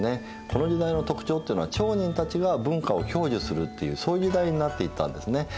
この時代の特徴っていうのは町人たちが文化を享受するっていうそういう時代になっていったんですね。